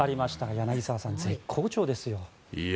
柳澤さん、絶好調ですよ。